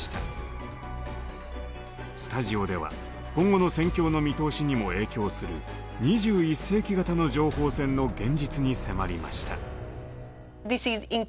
スタジオでは今後の戦況の見通しにも影響する２１世紀型の情報戦の現実に迫りました。